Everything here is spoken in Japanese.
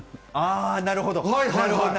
なるほど！